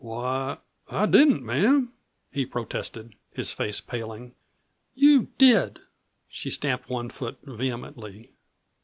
"Why, I didn't, ma'am," he protested, his face paling. "You did!" She stamped one foot vehemently.